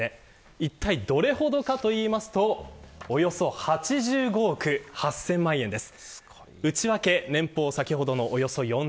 いったいどれほどかと言いますとおよそ８５億８０００万円です。